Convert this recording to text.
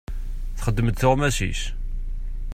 Texdem-d tuɣmas-is.